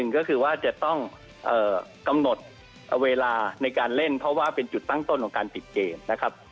ก็คือว่าจะต้องกำหนดเวลาในการเล่นเพราะว่าเป็นจุดตั้งต้นของการปิดเกมนะครับ